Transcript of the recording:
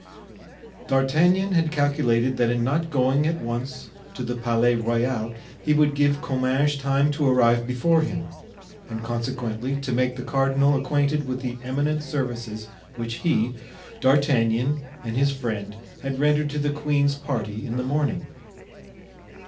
D'Artagnan had calculated that in not going at once to the Palais Royal he would give Comminges time to arrive before him, and consequently to make the cardinal acquainted with the eminent services which he, D'Artagnan, and his friend had rendered to the queen's party in the morning.